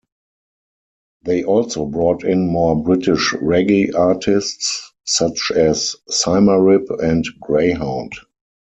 They also brought in more British reggae artists, such as Symarip and Greyhound.